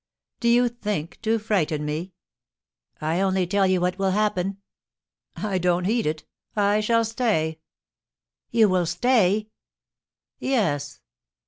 "Do you think to frighten me?" "I only tell you what will happen." "I don't heed it. I shall stay!" "You will stay?" "Yes."